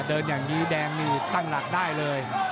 เดินอย่างนี้แดงนี่ตั้งหลักได้เลย